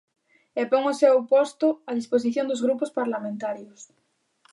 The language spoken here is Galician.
E pon o seu posto á disposición dos grupos parlamentarios.